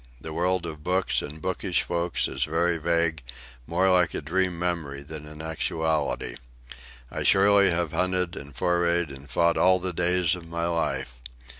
The world of books and bookish folk is very vague, more like a dream memory than an actuality. I surely have hunted and forayed and fought all the days of my life.